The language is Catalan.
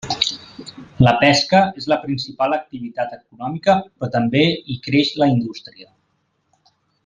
La pesca és la principal activitat econòmica però també hi creix la indústria.